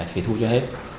phải thu cho hết